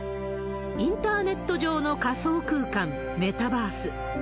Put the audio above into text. インターネット上の仮想空間、メタバース。